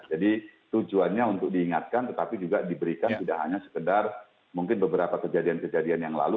jadi tujuannya untuk diingatkan tetapi juga diberikan tidak hanya sekedar mungkin beberapa kejadian kejadian yang lalu